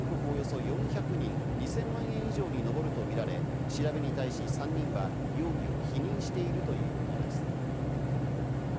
およそ４００人、２０００万円以上に上るとみられ、調べに対し３人は容疑を否認しているということです。